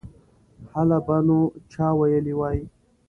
هله به نو چا ویلي وای.